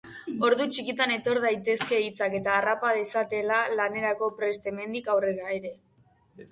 Ordu txikitan etor daitezke hitzak eta harrapa dezatela lanerako prest hemendik aurrera ere.